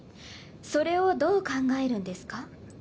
それをどう考えるんですか？